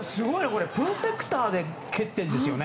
プロテクターで蹴ってるんですよね。